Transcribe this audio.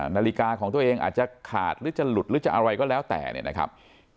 นาฬิกาของตัวเองอาจจะขาดหรือจะหลุดหรือจะอะไรก็แล้วแต่เนี่ยนะครับ